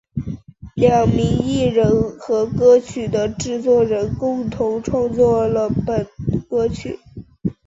两名艺人和歌曲的制作人共同创作了本歌曲。